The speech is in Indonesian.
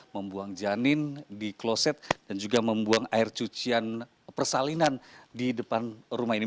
membuang janin di kloset dan juga membuang air cucian persalinan di depan rumah ini